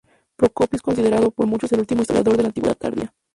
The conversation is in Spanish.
Procopio es considerado por muchos el último historiador de la Antigüedad Tardía.